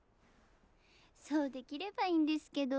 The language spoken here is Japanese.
そうできればいいんですけど。